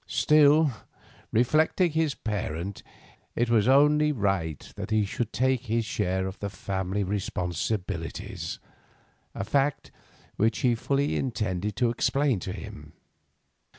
Still, reflected his parent, it was only right that he should take his share of the family responsibilities—a fact which he fully intended to explain to him.